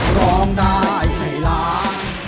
ร้องได้ให้ล้าน